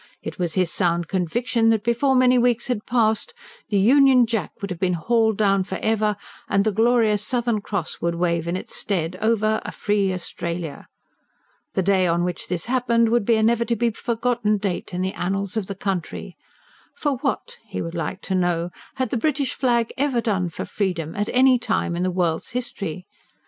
It was his sound conviction that before many weeks had passed, the Union Jack would have been hauled down for ever, and the glorious Southern Cross would wave in its stead, over a free Australia. The day on which this happened would be a never to be forgotten date in the annals of the country. For what, he would like to know, had the British flag ever done for freedom, at any time in the world's history?